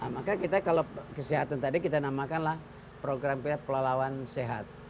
ya maka kita kalau kesehatan tadi kita namakanlah programnya pelawan sehat